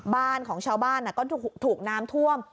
บ้านของชาวบ้านก็ถูกน้ำท่วม